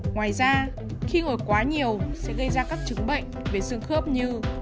ngoài ra khi ngồi quá nhiều sẽ gây ra các chứng bệnh về xương khớp như